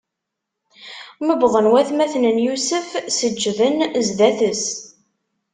Mi wwḍen watmaten n Yusef, seǧǧden zdat-s.